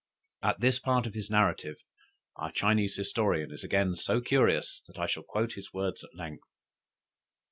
At this part of his narrative our Chinese historian is again so curious, that I shall quote his words at length.